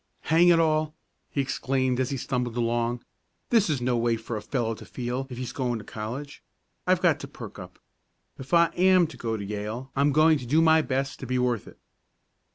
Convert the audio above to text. "Hang it all!" he exclaimed as he stumbled along. "This is no way for a fellow to feel if he's going to college. I've got to perk up. If I am to go to Yale, I'm going to do my best to be worth it!"